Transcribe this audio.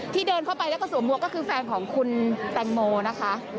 เดินเข้าไปแล้วก็สวมมวกก็คือแฟนของคุณแตงโมนะคะ